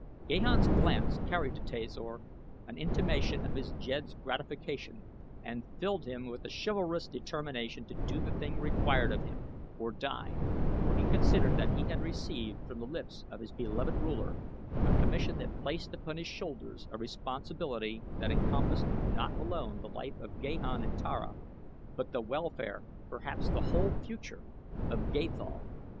Gahan's glance carried to Tasor an intimation of his Jed's gratification and filled him with a chivalrous determination to do the thing required of him, or die, for he considered that he had received from the lips of his beloved ruler a commission that placed upon his shoulders a responsibility that encompassed not alone the life of Gahan and Tara but the welfare, perhaps the whole future, of Gathol.